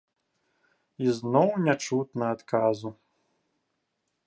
Ізноў не чутна адказу.